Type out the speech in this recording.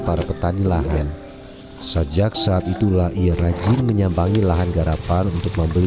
para petani lahen sejak saat itulah ia rajin menyambangi lahan garapan untuk membeli